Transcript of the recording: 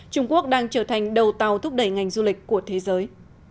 trung quốc đang trở thành đầu tàu thúc đẩy ngành du lịch của thế giới